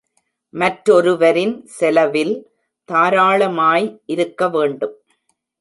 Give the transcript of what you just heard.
மற்றொருவரின் செலவில் தாராளாமாய் இருக்க வேண்டும்.